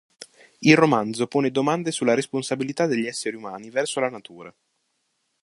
Il romanzo pone domande sulla responsabilità degli esseri umani verso la natura.